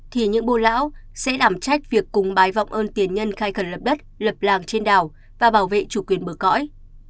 thì những bô lão sẽ đảm trách việc cùng bài vọng ơn tiền nhân khai khẩn lập đất lập làng trên đảo và bảo vệ chủ quyền bờ cõi